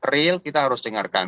real kita harus dengarkan